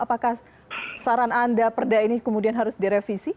apakah saran anda perda ini kemudian harus direvisi